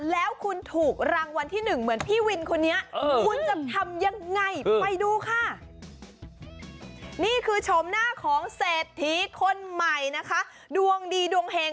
แล้วคุณถูกรางวัลที่หนึ่งเหมือนพี่วินคนนี้